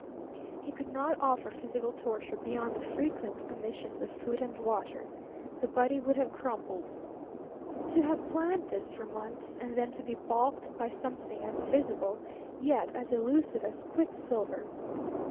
He could not offer physical torture beyond the frequent omissions of food and water; the body would have crumbled. To have planned this for months, and then to be balked by something as visible yet as elusive as quicksilver!